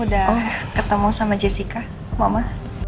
udah ketemu sama jessica mama